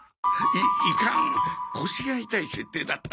いいかん腰が痛い設定だった。